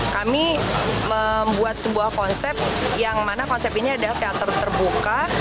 kami membuat sebuah konsep yang mana konsep ini adalah teater terbuka